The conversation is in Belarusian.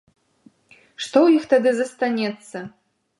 Што ў іх тады застанецца?